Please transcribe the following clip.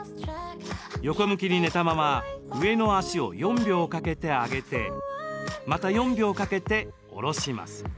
横向きに寝たまま上の脚を４秒かけて上げてまた４秒かけて下ろします。